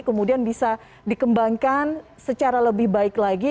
kemudian bisa dikembangkan secara lebih baik lagi